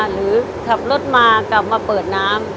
หรือขับรถมากลับมาเปิดน้ำ